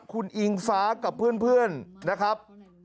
คุณอิงฟ้ากับเพื่อนนะครับ